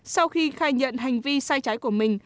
sau khi khai nhận hành vi sai trái của mình